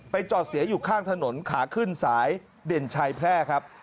จอดเสียอยู่ข้างถนนขาขึ้นสายเด่นชัยแพร่ครับ